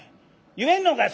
言えんのんかい」。